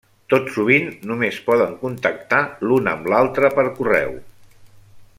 Tot sovint només poden contactar l'un amb l'altre per correu.